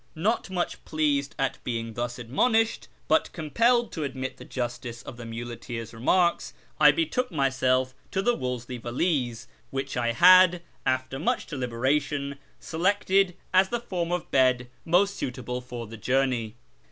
Not much pleased at being thus admonished, but compelled to admit the justice of the muleteer's remarks, I betook myself to the Wolseley valise which I had, after much deliberation, selected as the form of bed most suitable for the journey.